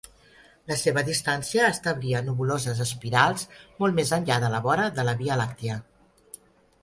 La seva distància establia nebuloses espirals molt més enllà de la vora de la Via Làctia.